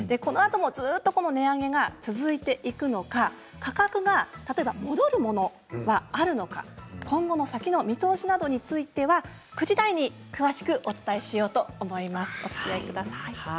このあともずっと値上げが続いていくのか例えば価格が戻るものはあるのか今後の先の見通しなどについては９時台に詳しくお伝えしようと思います。